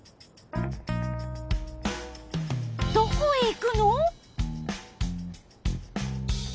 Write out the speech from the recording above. どこへ行くの？